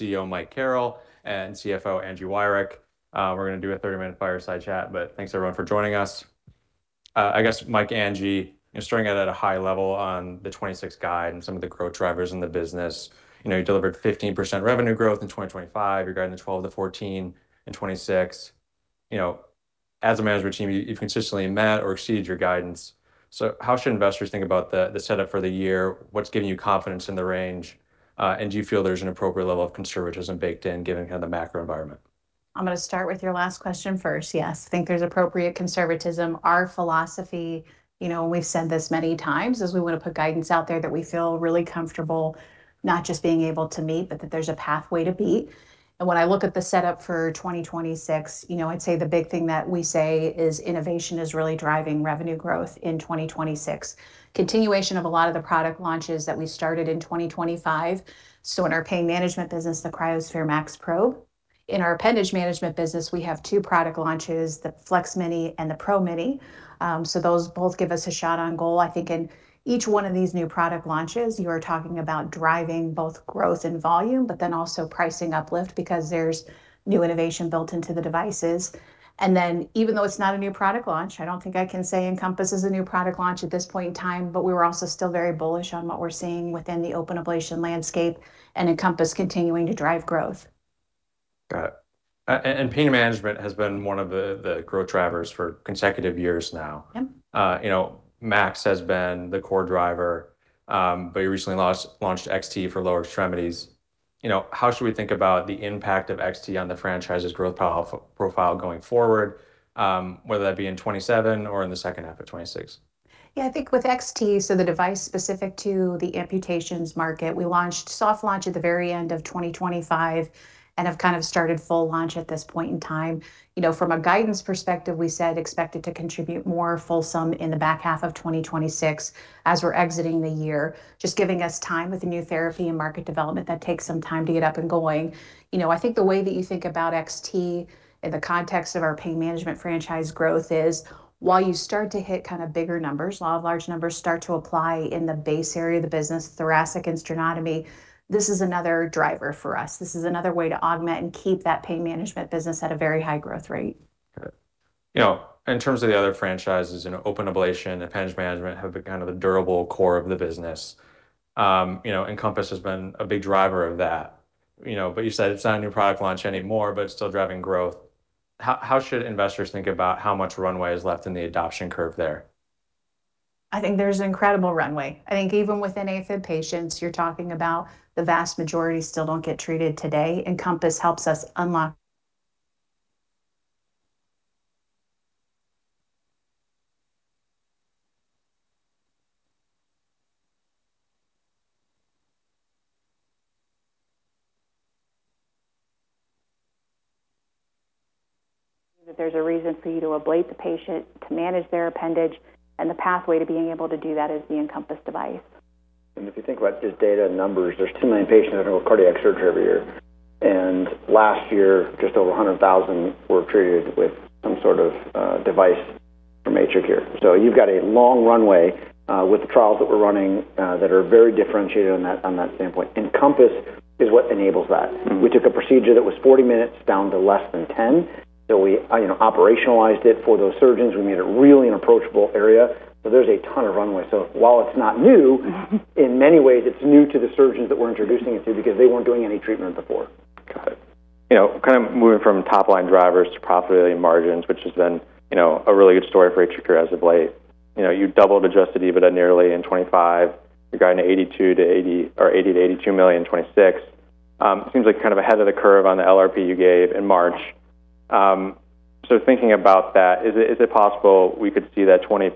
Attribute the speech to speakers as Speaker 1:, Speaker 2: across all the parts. Speaker 1: CEO Michael Carrel and CFO Angela Wirick. We're gonna do a 30-minute fireside chat. Thanks everyone for joining us. I guess Mike, Angie, you know, starting out at a high level on the 2026 guide and some of the growth drivers in the business, you know, you delivered 15% revenue growth in 2025. You're guiding the 12%-14% in 2026. You know, as a management team, you've consistently met or exceeded your guidance. How should investors think about the setup for the year? What's giving you confidence in the range? Do you feel there's an appropriate level of conservatism baked in given kind of the macro environment?
Speaker 2: I'm gonna start with your last question first. Yes, think there's appropriate conservatism. Our philosophy, you know, and we've said this many times, is we wanna put guidance out there that we feel really comfortable not just being able to meet, but that there's a pathway to beat. When I look at the setup for 2026, you know, I'd say the big thing that we say is innovation is really driving revenue growth in 2026. Continuation of a lot of the product launches that we started in 2025. In our pain management business, the cryoSPHERE MAX probe. In our appendage management business, we have two product launches, the FLEX-Mini and the PRO-Mini. Those both give us a shot on goal. I think in each one of these new product launches, you are talking about driving both growth and volume, but then also pricing uplift because there's new innovation built into the devices. Even though it's not a new product launch, I don't think I can say EnCompass is a new product launch at this point in time, but we were also still very bullish on what we're seeing within the open ablation landscape and EnCompass continuing to drive growth.
Speaker 1: Got it. Pain management has been one of the growth drivers for consecutive years now.
Speaker 2: Yep.
Speaker 1: You know, Max has been the core driver, but you recently launched cryoXT for lower extremities. You know, how should we think about the impact of cryoXT on the franchise's growth profile going forward, whether that be in 2027 or in the second half of 2026?
Speaker 2: Yeah, I think with cryoXT, so the device specific to the amputations market, we launched soft launch at the very end of 2025 and have kind of started full launch at this point in time. You know, from a guidance perspective, we said expected to contribute more fulsome in the back half of 2026 as we're exiting the year, just giving us time with the new therapy and market development. That takes some time to get up and going. You know, I think the way that you think about cryoXT in the context of our pain management franchise growth is while you start to hit kind of bigger numbers, law of large numbers start to apply in the base area of the business, thoracic and sternotomy, this is another driver for us. This is another way to augment and keep that pain management business at a very high growth rate.
Speaker 1: Got it. You know, in terms of the other franchises, you know, open ablation, appendage management have been kind of the durable core of the business. You know, EnCompass has been a big driver of that, you know, but you said it's not a new product launch anymore, but it's still driving growth. How should investors think about how much runway is left in the adoption curve there?
Speaker 2: I think there's an incredible runway. I think even within AFib patients, you're talking about the vast majority still don't get treated today. EnCompass helps us unlock that there's a reason for you to ablate the patient to manage their appendage. The pathway to being able to do that is the EnCompass device.
Speaker 3: If you think about the data and numbers, there's two million patients that have a cardiac surgery every year, and last year just over 100,000 were treated with some sort of device from AtriCure. You've got a long runway with the trials that we're running that are very differentiated on that, on that standpoint. EnCompass is what enables that. We took a procedure that was 40 minutes down to less than 10 minutes. We, you know, operationalized it for those surgeons. We made it really an approachable area. There's a ton of runway. While it's not new, in many ways it's new to the surgeons that we're introducing it to because they weren't doing any treatment before.
Speaker 1: Got it. You know, kind of moving from top line drivers to profitability and margins, which has been, you know, a really good story for AtriCure as of late. You know, you doubled Adjusted EBITDA nearly in 2025. You're guiding $80 million-$82 million in 2026. Seems like kind of ahead of the curve on the LRP you gave in March. Thinking about that, is it possible we could see that 20%+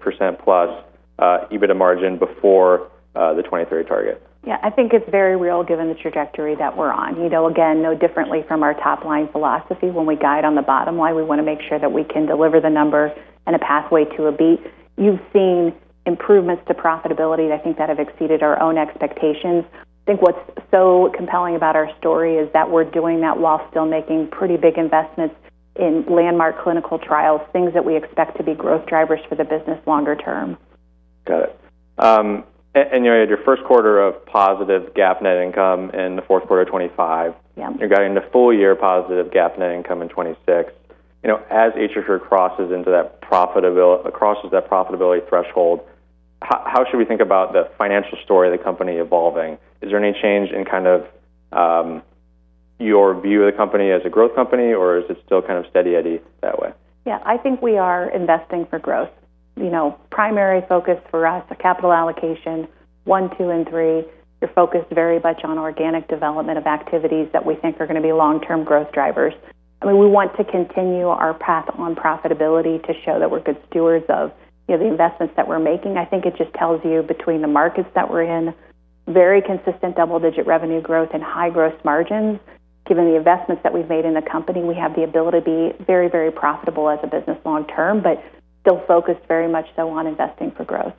Speaker 1: EBITDA margin before the 2023 target?
Speaker 2: Yeah, I think it's very real given the trajectory that we're on. You know, again, no differently from our top line philosophy, when we guide on the bottom line, we want to make sure that we can deliver the number and a pathway to a beat. You've seen improvements to profitability that I think that have exceeded our own expectations. I think what's so compelling about our story is that we're doing that while still making pretty big investments in landmark clinical trials, things that we expect to be growth drivers for the business longer term.
Speaker 1: Got it. You had your first quarter of positive GAAP net income in the fourth quarter of 2025.
Speaker 2: Yeah.
Speaker 1: You're guiding the full year positive GAAP net income in 2026. You know, as AtriCure crosses that profitability threshold, how should we think about the financial story of the company evolving? Is there any change in kind of your view of the company as a growth company, or is it still kind of steady eddy that way?
Speaker 2: Yeah. I think we are investing for growth. You know, primary focus for us, the capital allocation one, two, and three are focused very much on organic development of activities that we think are gonna be long-term growth drivers. I mean, we want to continue our path on profitability to show that we're good stewards of, you know, the investments that we're making. I think it just tells you between the markets that we're in, very consistent double-digit revenue growth and high gross margins. Given the investments that we've made in the company, we have the ability to be very, very profitable as a business long term, but still focused very much though on investing for growth.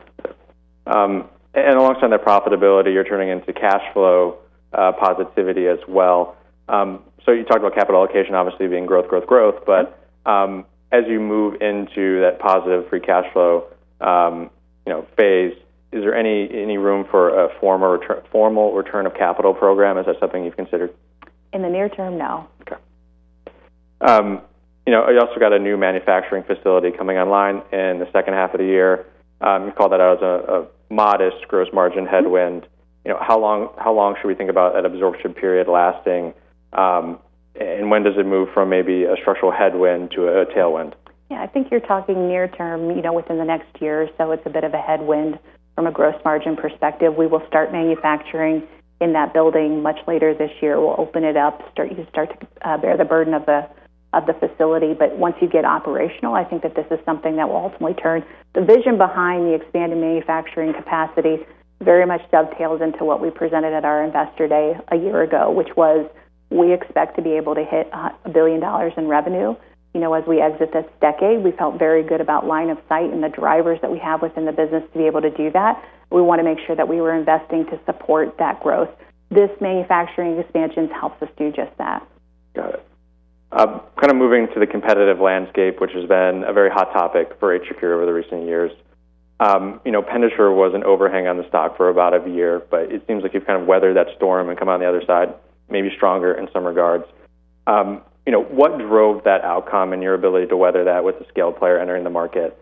Speaker 1: Alongside that profitability, you're turning into cash flow positivity as well. You talk about capital allocation obviously being growth, growth, but as you move into that positive free cash flow, you know, phase, is there any room for a formal return of capital program? Is that something you've considered?
Speaker 2: In the near term, no.
Speaker 1: Okay. You know, you also got a new manufacturing facility coming online in the second half of the year. You called that out as a modest gross margin headwind. You know, how long should we think about that absorption period lasting? When does it move from maybe a structural headwind to a tailwind?
Speaker 2: Yeah. I think you're talking near term, you know, within the next year. It's a bit of a headwind from a gross margin perspective. We will start manufacturing in that building much later this year. We'll open it up, start to bear the burden of the facility. Once you get operational, I think that this is something that will ultimately turn. The vision behind the expanded manufacturing capacity very much dovetails into what we presented at our investor day a year ago, which was we expect to be able to hit $1 billion in revenue, you know, as we exit this decade. We felt very good about line of sight and the drivers that we have within the business to be able to do that. We wanna make sure that we were investing to support that growth. This manufacturing expansion helps us do just that.
Speaker 1: Got it. kind of moving to the competitive landscape, which has been a very hot topic for AtriCure over the recent years. You know, Penditure was an overhang on the stock for about a year, but it seems like you've kind of weathered that storm and come out on the other side maybe stronger in some regards. you know, what drove that outcome and your ability to weather that with a scaled player entering the market?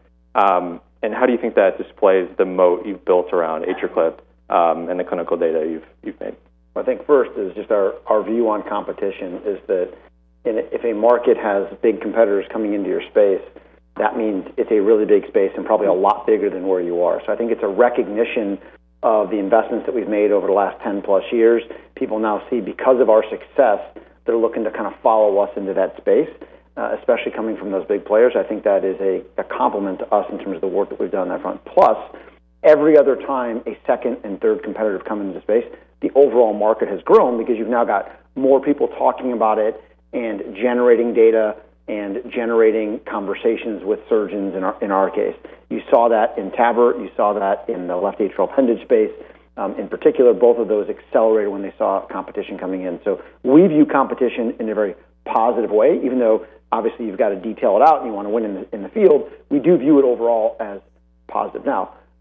Speaker 1: How do you think that displays the moat you've built around AtriClip, and the clinical data you've made?
Speaker 3: I think first is just our view on competition is that if a market has big competitors coming into your space, that means it's a really big space and probably a lot bigger than where you are. I think it's a recognition of the investments that we've made over the last 10+ years. People now see because of our success, they're looking to kind of follow us into that space, especially coming from those big players. I think that is a compliment to us in terms of the work that we've done on that front. Every other time a second and third competitor come into the space, the overall market has grown because you've now got more people talking about it and generating data and generating conversations with surgeons in our case. You saw that in TAVR. You saw that in the left atrial appendage space. In particular, both of those accelerated when they saw competition coming in. We view competition in a very positive way. Even though obviously you've got to detail it out and you want to win in the, in the field, we do view it overall as positive.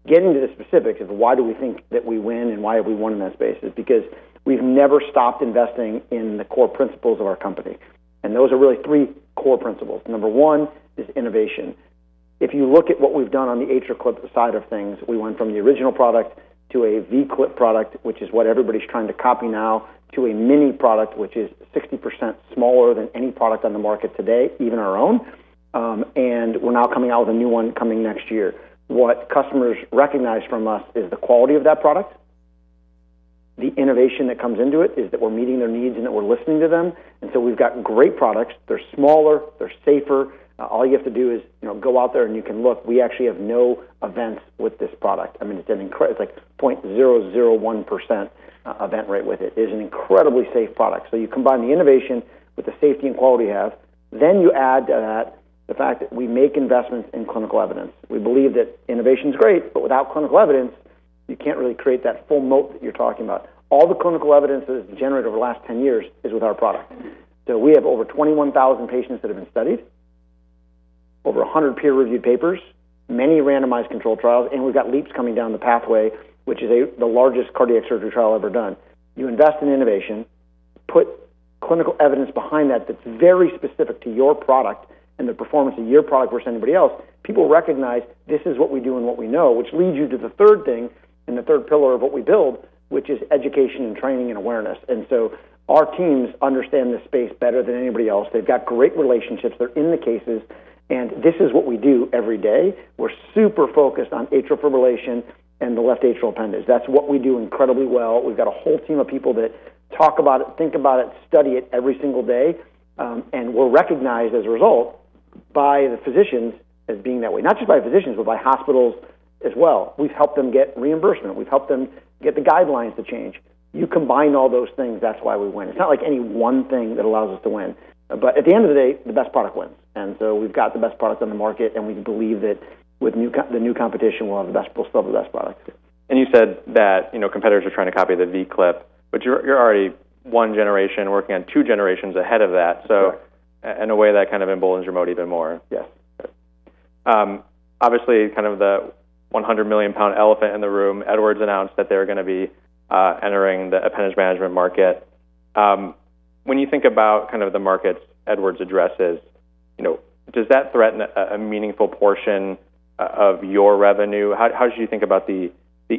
Speaker 3: Getting to the specifics of why do we think that we win and why have we won in that space is because we've never stopped investing in the core principles of our company, and those are really three core principles. Number one is innovation. If you look at what we've done on the AtriClip side of things, we went from the original product to a V-Clip product, which is what everybody's trying to copy now, to a Mini product, which is 60% smaller than any product on the market today, even our own. We're now coming out with a new one coming next year. What customers recognize from us is the quality of that product, the innovation that comes into it, is that we're meeting their needs and that we're listening to them. We've got great products. They're smaller. They're safer. All you have to do is, you know, go out there and you can look. We actually have no events with this product. I mean, it's like 0.001% event rate with it. It is an incredibly safe product. You combine the innovation with the safety and quality we have, you add to that the fact that we make investments in clinical evidence. We believe that innovation's great, without clinical evidence, you can't really create that full moat that you're talking about. All the clinical evidence that has been generated over the last 10 years is with our product. We have over 21,000 patients that have been studied, over 100 peer-reviewed papers, many randomized controlled trials, and we've got LeAAPS coming down the pathway, which is the largest cardiac surgery trial ever done. You invest in innovation, put clinical evidence behind that that's very specific to your product and the performance of your product versus anybody else. People recognize this is what we do and what we know, which leads you to the third thing and the third pillar of what we build, which is education and training and awareness. Our teams understand this space better than anybody else. They've got great relationships. They're in the cases, and this is what we do every day. We're super focused on atrial fibrillation and the left atrial appendage. That's what we do incredibly well. We've got a whole team of people that talk about it, think about it, study it every single day, and we're recognized as a result by the physicians as being that way. Not just by physicians, but by hospitals as well. We've helped them get reimbursement. We've helped them get the guidelines to change. You combine all those things, that's why we win. It's not like any one thing that allows us to win. At the end of the day, the best product wins. We've got the best product on the market, and we believe that with the new competition, we'll still have the best product.
Speaker 1: You said that, you know, competitors are trying to copy the V-Clip, but you're already one generation working on two generations ahead of that.
Speaker 3: Correct.
Speaker 1: In a way, that kind of emboldens your moat even more.
Speaker 3: Yes.
Speaker 1: Obviously kind of the 100 million-pound elephant in the room, Edwards announced that they're gonna be entering the appendage management market. When you think about kind of the markets Edwards addresses, you know, does that threaten a meaningful portion of your revenue? How should you think about the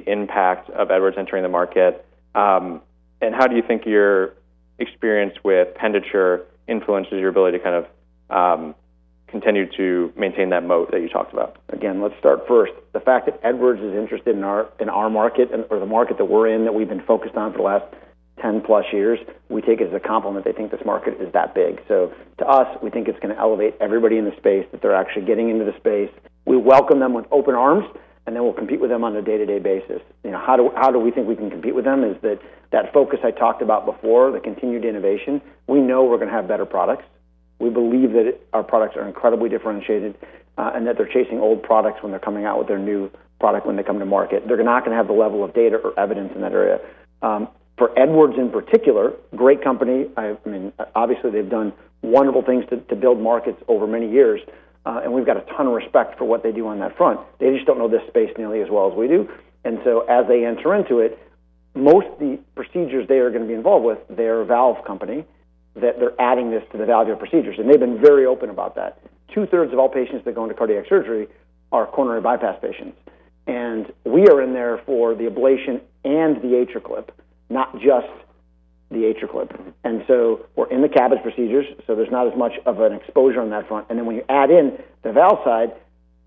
Speaker 1: impact of Edwards entering the market? How do you think your experience with Penditure influences your ability to kind of continue to maintain that moat that you talked about?
Speaker 3: Let's start first. The fact that Edwards is interested in our, in our market or the market that we're in, that we've been focused on for the last 10+ years, we take it as a compliment. They think this market is that big. To us, we think it's gonna elevate everybody in the space, that they're actually getting into the space. We welcome them with open arms, we'll compete with them on a day-to-day basis. You know, how do we think we can compete with them is that that focus I talked about before, the continued innovation, we know we're gonna have better products. We believe that our products are incredibly differentiated, that they're chasing old products when they're coming out with their new product when they come to market. They're not gonna have the level of data or evidence in that area. For Edwards in particular, great company. I mean, obviously, they've done wonderful things to build markets over many years, and we've got a ton of respect for what they do on that front. They just don't know this space nearly as well as we do. As they enter into it. Most of the procedures they are going to be involved with, they're a valve company, that they're adding this to the valvular procedures, and they've been very open about that. 2/3 of all patients that go into cardiac surgery are coronary bypass patients. We are in there for the ablation and the AtriClip, not just the AtriClip. We're in the CABG procedures, so there's not as much of an exposure on that front. When you add in the valve side,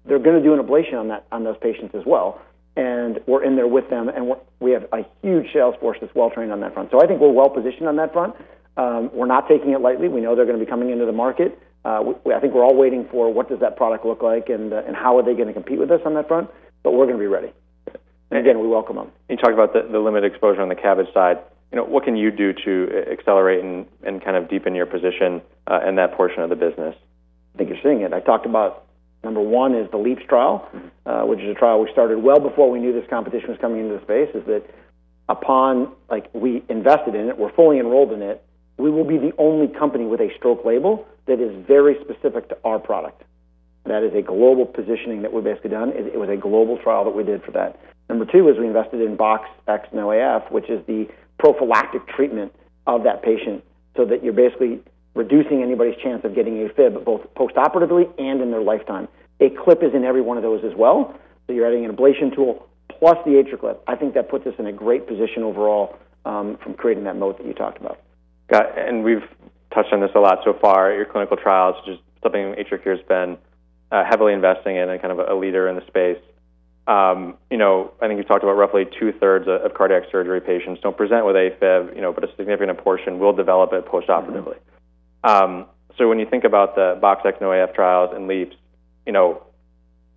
Speaker 3: they're going to do an ablation on those patients as well. We're in there with them, and we have a huge sales force that's well-trained on that front. I think we're well-positioned on that front. We're not taking it lightly. We know they're going to be coming into the market. I think we're all waiting for what does that product look like and how are they going to compete with us on that front, but we're going to be ready. Again, we welcome them.
Speaker 1: You talk about the limited exposure on the CABG side. What can you do to accelerate and kind of deepen your position in that portion of the business?
Speaker 3: I think you're seeing it. I talked about number one is the LeAAPS trial, which is a trial we started well before we knew this competition was coming into the space, is that upon we invested in it, we're fully enrolled in it. We will be the only company with a stroke label that is very specific to our product. That is a global positioning that we've basically done. It was a global trial that we did for that. Number two is we invested in BoxX-NoAF, which is the prophylactic treatment of that patient so that you're basically reducing anybody's chance of getting AFib both post-operatively and in their lifetime. An AtriClip is in every one of those as well. You're adding an ablation tool plus the AtriClip. I think that puts us in a great position overall from creating that moat that you talked about.
Speaker 1: Got it. We've touched on this a lot so far. Your clinical trials, just something AtriCure has been heavily investing in and kind of a leader in the space. You know, I think you talked about roughly 2/3 of cardiac surgery patients don't present with AFib, you know, but a significant portion will develop it post-operatively. When you think about the BoxX-NoAF trials and LeAAPS, you know,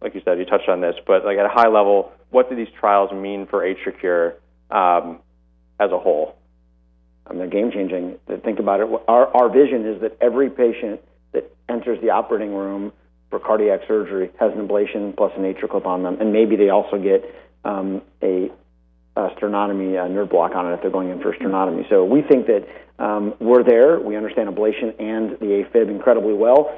Speaker 1: like you said, you touched on this, but like at a high level, what do these trials mean for AtriCure as a whole?
Speaker 3: They're game-changing. Think about it. Our vision is that every patient that enters the operating room for cardiac surgery has an ablation plus an AtriClip on them. Maybe they also get a sternotomy nerve block on it if they're going in for a sternotomy. We think that we're there. We understand ablation and the AFib incredibly well.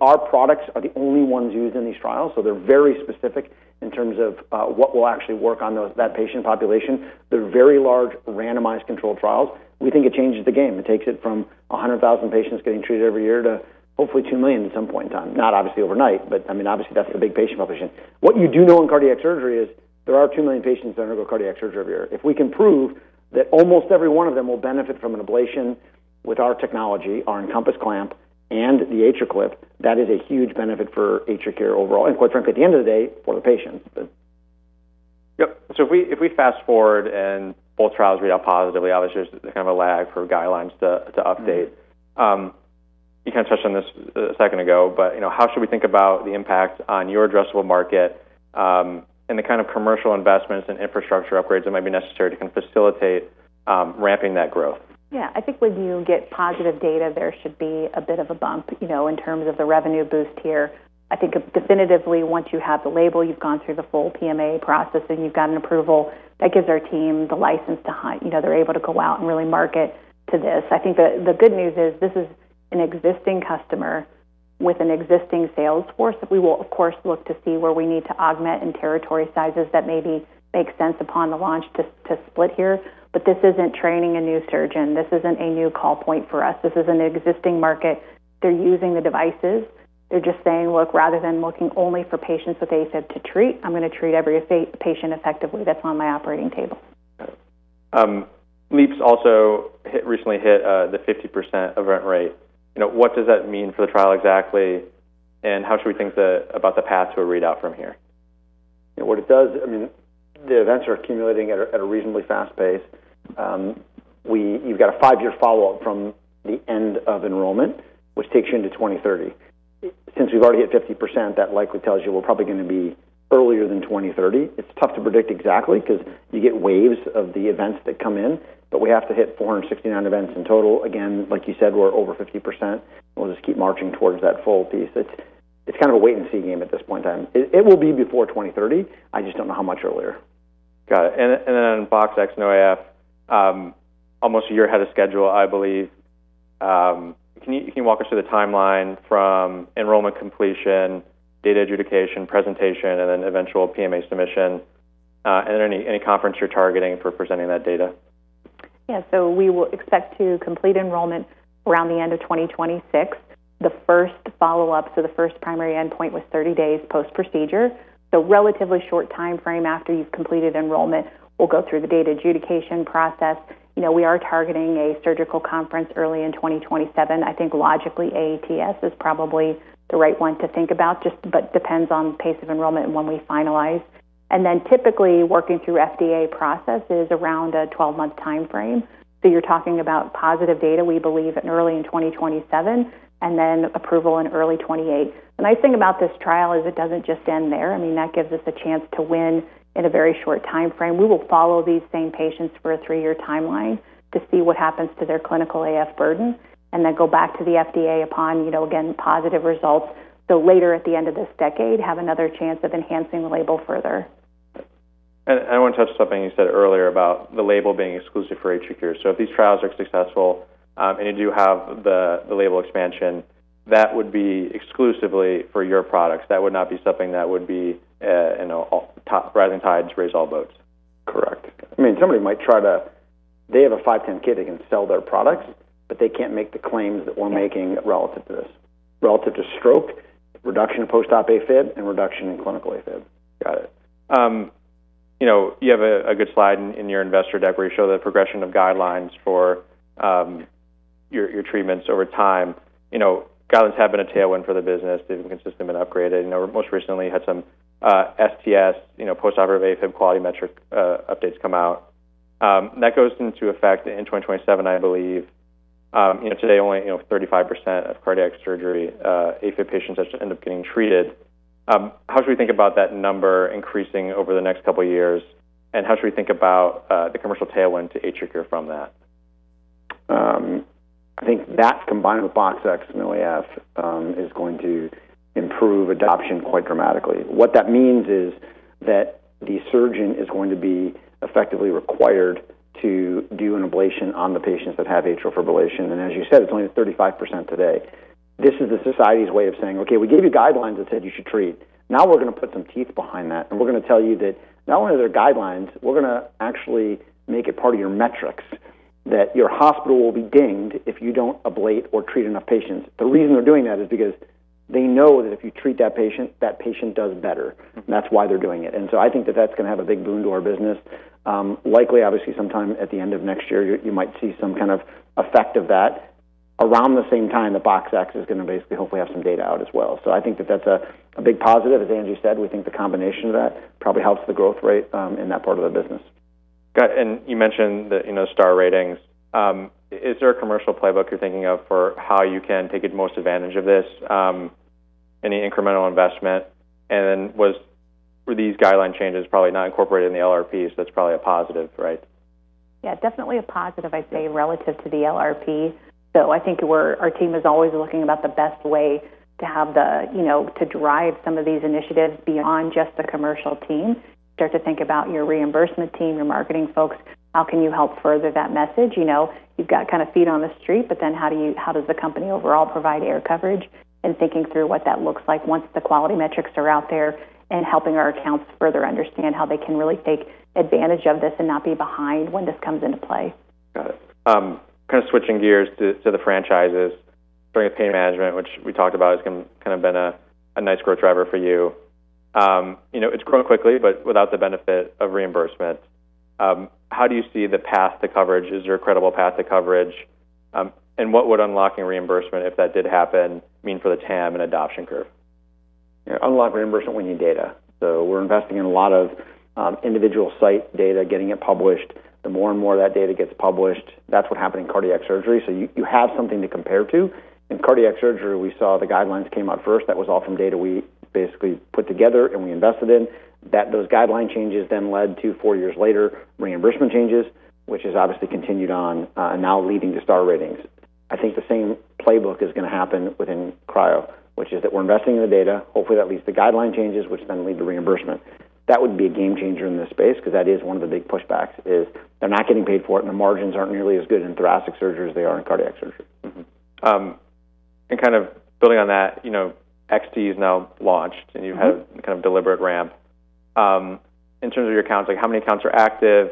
Speaker 3: Our products are the only ones used in these trials. They're very specific in terms of what will actually work on that patient population. They're very large randomized controlled trials. We think it changes the game. It takes it from 100,000 patients getting treated every year to hopefully two million at some point in time. Not obviously overnight, but I mean, obviously that's the big patient population. What you do know in cardiac surgery is there are two million patients that undergo cardiac surgery every year. If we can prove that almost every one of them will benefit from an ablation with our technology, our EnCompass Clamp and the AtriClip, that is a huge benefit for AtriCure overall. Quite frankly, at the end of the day, for the patients.
Speaker 1: Yep. If we fast forward and both trials read out positively, obviously there's kind of a lag for guidelines to update. You kind of touched on this a second ago, how should we think about the impact on your addressable market and the kind of commercial investments and infrastructure upgrades that might be necessary to kind of facilitate ramping that growth?
Speaker 2: Yeah. I think when you get positive data, there should be a bit of a bump in terms of the revenue boost here. I think definitively once you have the label, you've gone through the full PMA processing, you've got an approval, that gives our team the license to hunt. They're able to go out and really market to this. I think the good news is this is an existing customer with an existing sales force that we will, of course, look to see where we need to augment in territory sizes that maybe make sense upon the launch to split here. This isn't training a new surgeon. This isn't a new call point for us. This is an existing market. They're using the devices. They're just saying, look, rather than looking only for patients with AFib to treat, I'm going to treat every patient effectively that's on my operating table.
Speaker 1: LeAAPS also recently hit the 50% event rate. What does that mean for the trial exactly? How should we think about the path to a readout from here?
Speaker 3: What it does, I mean, the events are accumulating at a reasonably fast pace. You've got a five-year follow-up from the end of enrollment, which takes you into 2030. Since we've already hit 50%, that likely tells you we're probably going to be earlier than 2030. It's tough to predict exactly because you get waves of the events that come in, but we have to hit 469 events in total. Again, like you said, we're over 50%. We'll just keep marching towards that full piece. It's kind of a wait-and-see game at this point in time. It will be before 2030. I just don't know how much earlier.
Speaker 1: Got it. BoxX-NoAF, almost one year ahead of schedule, I believe. Can you walk us through the timeline from enrollment completion, data adjudication, presentation, and then eventual PMA submission, and any conference you're targeting for presenting that data?
Speaker 2: Yeah. We will expect to complete enrollment around the end of 2026. The first follow-up, so the first primary endpoint was 30 days post-procedure. Relatively short timeframe after you've completed enrollment, we'll go through the data adjudication process. We are targeting a surgical conference early in 2027. I think logically AATS is probably the right one to think about, but depends on pace of enrollment and when we finalize. Typically working through FDA process is around a 12-month timeframe. You're talking about positive data, we believe, early in 2027, and then approval in early 2028. The nice thing about this trial is it doesn't just end there. I mean, that gives us a chance to win in a very short timeframe. We will follow these same patients for a three-year timeline to see what happens to their clinical AF burden, and then go back to the FDA upon, again, positive results. Later at the end of this decade, have another chance of enhancing the label further.
Speaker 1: I want to touch something you said earlier about the label being exclusive for AtriCure. If these trials are successful and you do have the label expansion. That would be exclusively for your products. That would not be something that would be, you know, a rising tide raises all boats.
Speaker 3: Correct. I mean, they have a 510(k), they can sell their products, but they can't make the claims that we're making relative to this, relative to stroke, reduction in post-op AFib, and reduction in clinical AFib.
Speaker 1: Got it. You know, you have a good slide in your investor deck where you show the progression of guidelines for your treatments over time. You know, guidelines have been a tailwind for the business. They've been consistent and upgraded. You know, most recently had some STS, you know, postoperative AFib quality metric updates come out. That goes into effect in 2027, I believe. You know, today only, you know, 35% of cardiac surgery AFib patients actually end up getting treated. How should we think about that number increasing over the next couple of years, and how should we think about the commercial tailwind to AtriCure from that?
Speaker 3: I think that combined with BoxX-NoAF is going to improve adoption quite dramatically. What that means is that the surgeon is going to be effectively required to do an ablation on the patients that have atrial fibrillation. As you said, it's only at 35% today. This is the society's way of saying, "Okay, we gave you guidelines that said you should treat. Now we're going to put some teeth behind that, and we're going to tell you that not only are there guidelines, we're going to actually make it part of your metrics, that your hospital will be dinged if you don't ablate or treat enough patients." The reason they're doing that is because they know that if you treat that patient, that patient does better, and that's why they're doing it. I think that that's going to have a big boon to our business. Likely, obviously, sometime at the end of next year, you might see some kind of effect of that. Around the same time, the BOX-X is gonna basically hopefully have some data out as well. I think that that's a big positive. As Angie said, we think the combination of that probably helps the growth rate in that part of the business.
Speaker 1: Got it. You mentioned the, you know, star ratings. Is there a commercial playbook you're thinking of for how you can take most advantage of this? Any incremental investment? Were these guideline changes probably not incorporated in the LRP, so that's probably a positive, right?
Speaker 2: Yeah, definitely a positive, I'd say, relative to the LRP. I think our team is always looking about the best way to have the, you know, to drive some of these initiatives beyond just the commercial team. Start to think about your reimbursement team, your marketing folks. How can you help further that message? You know, you've got kind of feet on the street, how does the company overall provide air coverage? Thinking through what that looks like once the quality metrics are out there, and helping our accounts further understand how they can really take advantage of this and not be behind when this comes into play.
Speaker 1: Got it. kind of switching gears to the franchises. Bringing pain management, which we talked about, has been kind of been a nice growth driver for you. you know, it's growing quickly, but without the benefit of reimbursement. How do you see the path to coverage? Is there a credible path to coverage? What would unlocking reimbursement, if that did happen, mean for the TAM and adoption curve?
Speaker 3: Yeah. To unlock reimbursement, we need data. We're investing in a lot of individual site data, getting it published. The more and more that data gets published, that's what happened in cardiac surgery. You have something to compare to. In cardiac surgery, we saw the guidelines came out first. That was all from data we basically put together and we invested in. Those guideline changes then led to, four years later, reimbursement changes, which has obviously continued on, now leading to star ratings. I think the same playbook is gonna happen within cryo, which is that we're investing in the data. Hopefully, that leads to guideline changes, which then lead to reimbursement. That would be a game changer in this space because that is one of the big pushbacks, is they're not getting paid for it, and the margins aren't nearly as good in thoracic surgery as they are in cardiac surgery.
Speaker 1: Kind of building on that, you know, cryoXT is now launched. Kind of deliberate ramp. In terms of your accounts, like how many accounts are active?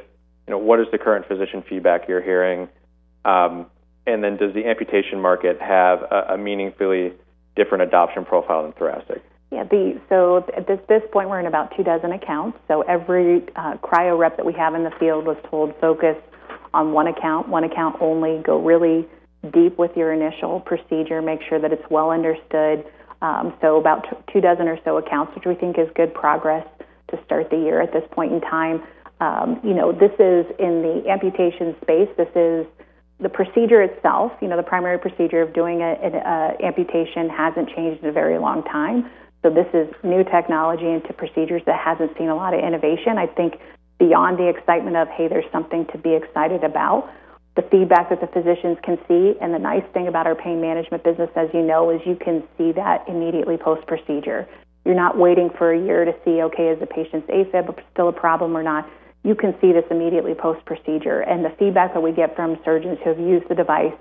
Speaker 1: You know, what is the current physician feedback you're hearing? Does the amputation market have a meaningfully different adoption profile than thoracic?
Speaker 2: Yeah. At this point, we're in about two dozen accounts. Every cryo rep that we have in the field was told, "Focus on one account only. Go really deep with your initial procedure. Make sure that it's well understood." About two dozen or so accounts, which we think is good progress to start the year at this point in time. You know, this is in the amputation space. This is the procedure itself. You know, the primary procedure of doing an amputation hasn't changed in a very long time. This is new technology into procedures that hasn't seen a lot of innovation. I think beyond the excitement of, hey, there's something to be excited about, the feedback that the physicians can see, and the nice thing about our pain management business, as you know, is you can see that immediately post-procedure. You're not waiting for a year to see, okay, is the patient's AFib still a problem or not? You can see this immediately post-procedure. The feedback that we get from surgeons who have used the device,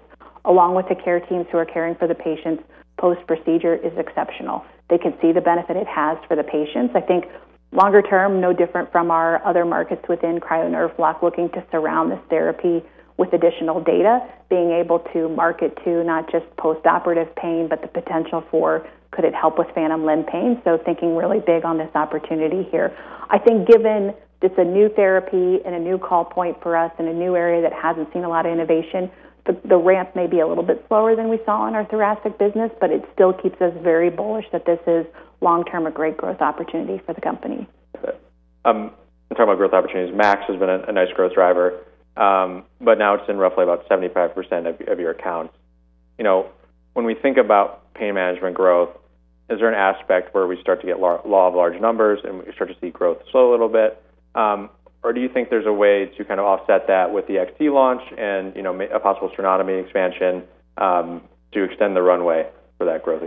Speaker 2: along with the care teams who are caring for the patients post-procedure, is exceptional. They can see the benefit it has for the patients. I think longer term, no different from our other markets within Cryo Nerve Block, looking to surround this therapy with additional data, being able to market to not just postoperative pain, but the potential for could it help with phantom limb pain. Thinking really big on this opportunity here. I think given it's a new therapy and a new call point for us in a new area that hasn't seen a lot of innovation, the ramp may be a little bit slower than we saw in our thoracic business, but it still keeps us very bullish that this is long-term a great growth opportunity for the company.
Speaker 1: Okay. Talking about growth opportunities, cryoSPHERE MAX has been a nice growth driver. Now it's in roughly about 75% of your accounts. You know, when we think about pain management growth, is there an aspect where we start to get law of large numbers and we start to see growth slow a little bit? Do you think there's a way to kind of offset that with the cryoXT launch and, you know, a possible sternotomy expansion to extend the runway for that growth?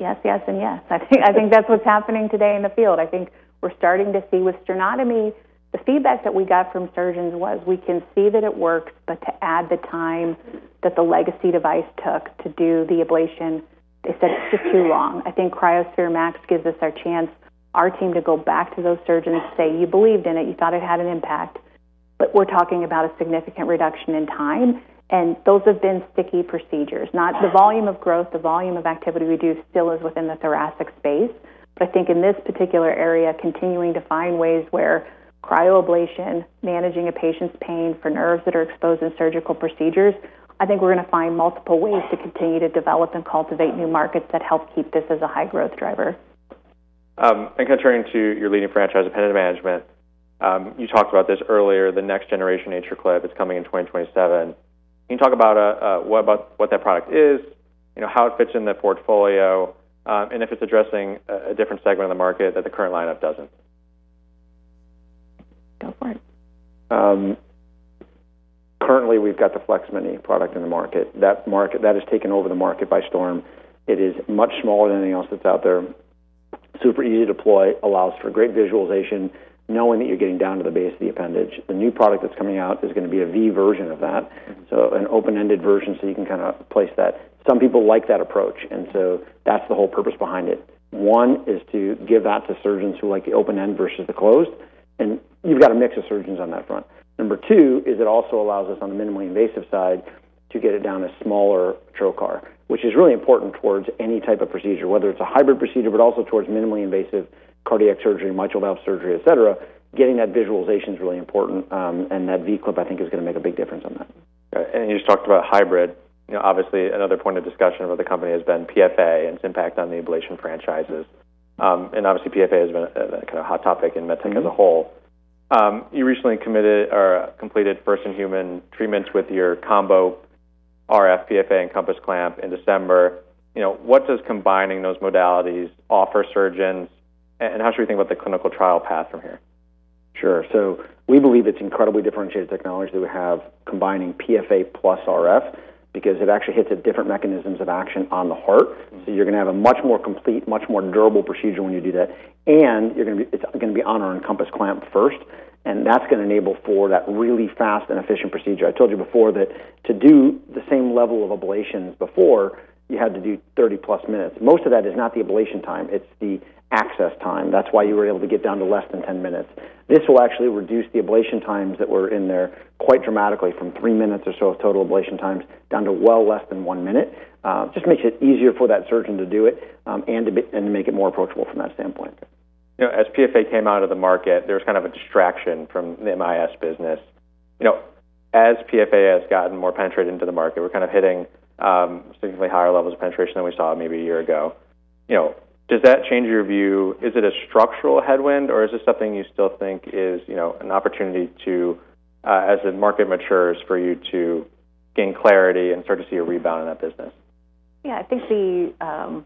Speaker 2: Yes, yes, and yes. I think that's what's happening today in the field. I think we're starting to see with sternotomy, the feedback that we got from surgeons was we can see that it works, but to add the time that the legacy device took to do the ablation, they said it's just too long. I think cryoSPHERE MAX gives us our chance, our team, to go back to those surgeons and say, "You believed in it. You thought it had an impact, but we're talking about a significant reduction in time." Those have been sticky procedures, not the volume of growth, the volume of activity we do still is within the thoracic space. I think in this particular area, continuing to find ways where cryoablation, managing a patient's pain for nerves that are exposed in surgical procedures, I think we're gonna find multiple ways to continue to develop and cultivate new markets that help keep this as a high-growth driver.
Speaker 1: Kind of turning to your leading franchise, appendage management, you talked about this earlier, the next generation AtriClip is coming in 2027. Can you talk about what that product is, you know, how it fits in the portfolio, and if it's addressing a different segment of the market that the current lineup doesn't?
Speaker 2: Go for it.
Speaker 3: Currently we've got the FLEX-Mini product in the market. That has taken over the market by storm. It is much smaller than anything else that's out there. Super easy to deploy, allows for great visualization, knowing that you're getting down to the base of the appendage. The new product that's coming out is gonna be a V-Clip version of that, so an open-ended version, so you can kind of place that. Some people like that approach, that's the whole purpose behind it. One is to give that to surgeons who like the open-end versus the closed, and you've got a mix of surgeons on that front. Number two is it also allows us on the minimally invasive side to get it down a smaller trocar, which is really important towards any type of procedure, whether it's a Hybrid procedure, but also towards minimally invasive cardiac surgery, mitral valve surgery, et cetera. Getting that visualization's really important, and that V-Clip I think is gonna make a big difference on that.
Speaker 1: Okay. You just talked about Hybrid. You know, obviously another point of discussion about the company has been PFA and its impact on the ablation franchises. Obviously PFA has been a kind of hot topic in med tech as a whole. You recently committed or completed first-in-human treatments with your combo RF PFA EnCompass Clamp in December. You know, what does combining those modalities offer surgeons, and how should we think about the clinical trial path from here?
Speaker 3: We believe it's incredibly differentiated technology that we have combining PFA plus RF because it actually hits at different mechanisms of action on the heart. You're gonna have a much more complete, much more durable procedure when you do that. It's gonna be on our EnCompass Clamp first, That's gonna enable for that really fast and efficient procedure. I told you before that to do the same level of ablations before, you had to do 30+ minutes. Most of that is not the ablation time, it's the access time. That's why you were able to get down to less than 10 minutes. This will actually reduce the ablation times that were in there quite dramatically from three minutes or so of total ablation times down to well less than one minute. Just makes it easier for that surgeon to do it, and to make it more approachable from that standpoint.
Speaker 1: You know, as PFA came out of the market, there was kind of a distraction from the MIS business. You know, as PFA has gotten more penetrated into the market, we're kind of hitting significantly higher levels of penetration than we saw maybe a year ago. You know, does that change your view? Is it a structural headwind, or is this something you still think is, you know, an opportunity to, as the market matures, for you to gain clarity and start to see a rebound in that business?
Speaker 2: I think the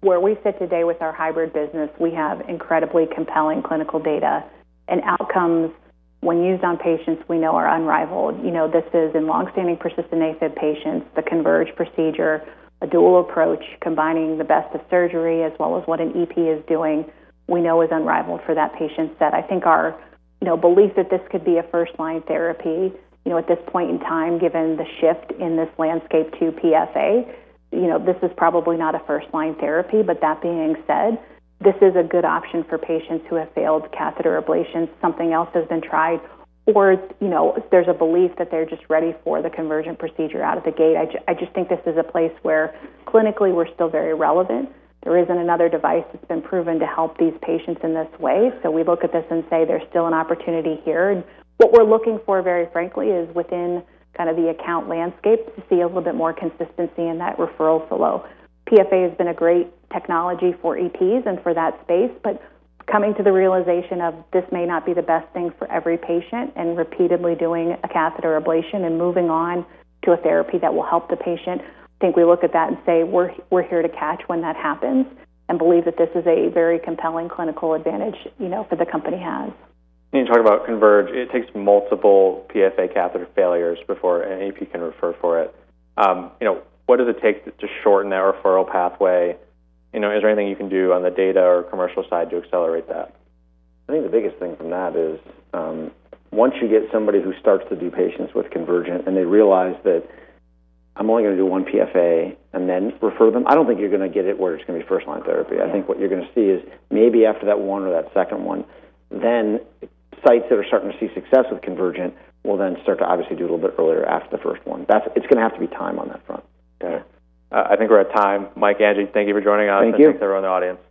Speaker 2: where we sit today with our Hybrid business, we have incredibly compelling clinical data and outcomes when used on patients we know are unrivaled. You know, this is in longstanding persistent AFib patients, the CONVERGE procedure, a dual approach combining the best of surgery as well as what an EP is doing, we know is unrivaled for that patient set. I think our, you know, belief that this could be a first-line therapy, you know, at this point in time, given the shift in this landscape to PFA, you know, this is probably not a first-line therapy. That being said, this is a good option for patients who have failed catheter ablation, something else has been tried, or, you know, there's a belief that they're just ready for the Convergent procedure out of the gate. I just think this is a place where clinically we're still very relevant. There isn't another device that's been proven to help these patients in this way, so we look at this and say there's still an opportunity here. What we're looking for, very frankly, is within kind of the account landscape to see a little bit more consistency in that referral flow. PFA has been a great technology for EPs and for that space, but coming to the realization of this may not be the best thing for every patient, and repeatedly doing a catheter ablation and moving on to a therapy that will help the patient, I think we look at that and say we're here to catch when that happens and believe that this is a very compelling clinical advantage, you know, that the company has.
Speaker 1: You talk about CONVERGE, it takes multiple PFA catheter failures before an EP can refer for it. You know, what does it take to shorten that referral pathway? You know, is there anything you can do on the data or commercial side to accelerate that?
Speaker 3: I think the biggest thing from that is, once you get somebody who starts to do patients with Convergent and they realize that I'm only gonna do one PFA and then refer them, I don't think you're gonna get it where it's gonna be first-line therapy. I think what you're gonna see is maybe after that one or that second one, then sites that are starting to see success with Convergent will then start to obviously do a little bit earlier after the first one. It's gonna have to be time on that front.
Speaker 1: Got it. I think we're at time. Michael, Angela, thank you for joining us.
Speaker 3: Thank you.
Speaker 1: Thanks to everyone in the audience. Appreciate it.